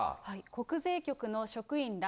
国税局の職員ら